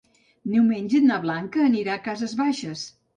Diumenge na Blanca anirà a Cases Baixes.